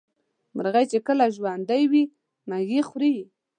مرغۍ چې کله ژوندۍ وي مېږي خوري.